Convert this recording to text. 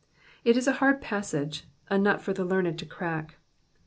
It is a hard passage, a nut for the learned to crack.